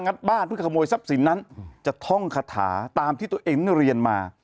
บ้านเพื่อขโมยทรัพย์สินนั้นจะท่องคาถาตามที่ตัวเองเรียนมา